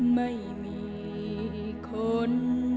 ไม่มีคน